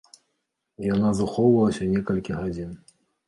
Яна захоўвалася некалькі гадзін.